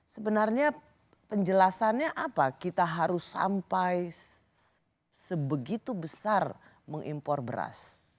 sebenarnya penjelasannya apa kita harus sampai sebegitu besar mengimpor beras